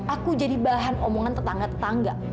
aku jadi bahan omongan tetangga tetangga